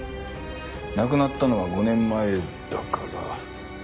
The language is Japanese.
亡くなったのは５年前だから。